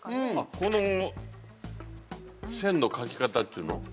この線の描き方っちゅうの？